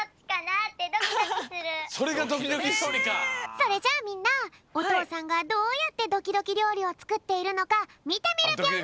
それじゃあみんなおとうさんがどうやってドキドキりょうりをつくっているのかみてみるぴょん。